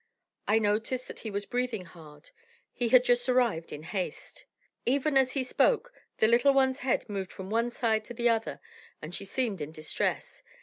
I noticed that he was breathing hard; he had just arrived in haste. Even as he spoke, the little one's head moved from one side to the other, and she seemed in distress.